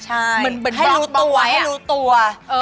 ใช่ให้รู้ตัวให้รู้ตัวเออมันเป็นบล็อกบ้างไว้